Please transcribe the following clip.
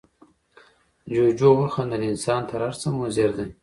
جوجو وخندل، انسان تر هر څه مضر دی.